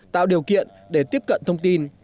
tạo điều kiện để tiếp cận thông tin